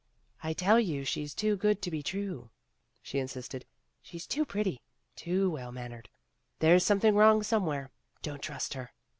"I tell you she's too good to be true," she insisted. 1 1 She 's too pretty, too well mannered. There 's something wrong somewhere. Don't trust her."